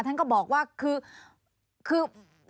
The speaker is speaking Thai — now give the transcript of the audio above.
ท่านก็บอกว่าคือ